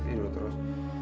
sini dulu terus